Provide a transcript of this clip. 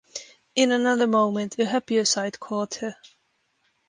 In another moment a happier sight caught her.